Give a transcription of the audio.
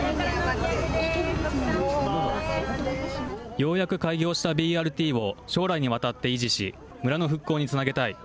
ようやく開業したＢＲＴを将来にわたって維持し、村の復興につなげたい。